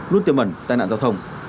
luôn tiềm ẩn tai nạn giao thông